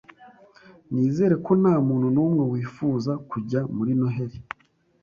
Nizera ko nta muntu n’umwe wifuza kujya muri Noheli